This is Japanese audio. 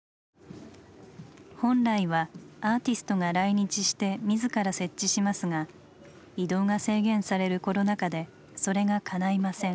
本来はアーティストが来日して自ら設置しますが移動が制限されるコロナ禍でそれがかないません。